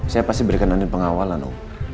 saya pasti berikan andien pengawalan om